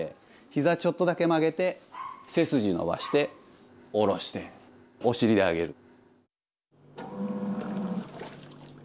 ひざちょっとだけ曲げて背筋伸ばして下ろしてお尻で上げる。